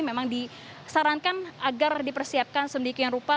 memang disarankan agar dipersiapkan sedemikian rupa